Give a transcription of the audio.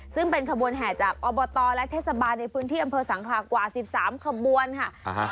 ซึ่งเป็นขบวนแห่จากอบตและเทศบาลในพื้นที่อำเภอสังคลากว่า๑๓ขบวนค่ะ